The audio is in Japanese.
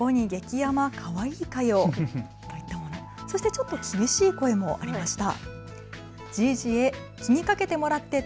ちょっと厳しい声もありました。